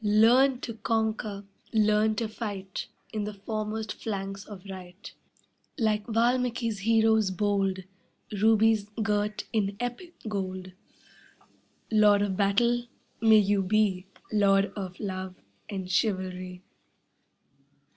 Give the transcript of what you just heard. Learn to conquer, learn to fight In the foremost flanks of right, Like Valmiki's heroes bold, Rubies girt in epic gold. Lord of battle, may you be, Lord of love and chivalry.